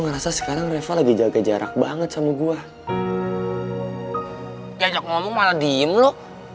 ngerasa sekarang reva lagi jaga jarak banget sama gue machen ya dia cek ngomong mana diem lu